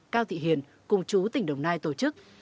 cao thị hiền cùng chú tỉnh đồng nai tổ chức